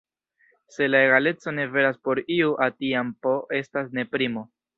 Se la egaleco ne veras por iu "a", tiam "p" estas ne primo.